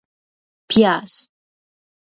🧅 پیاز